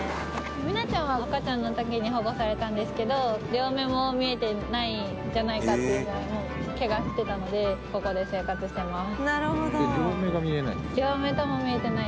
みなちゃんは赤ちゃんの時に保護されたんですけど両目も見えてないんじゃないかってぐらいのケガしてたのでここで生活してます両目が見えない？